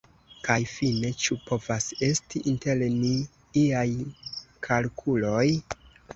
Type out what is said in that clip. Kaj fine, ĉu povas esti inter ni iaj kalkuloj?